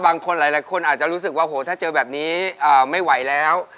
บางคนหลายคนอาจจะรู้สึกว่าโหถ้าเจอแบบนี้ไม่ไหวแล้ว